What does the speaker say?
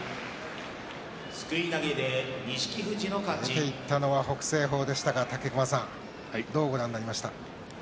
出ていったのは北青鵬でしたが武隈さんどうご覧になりましたか？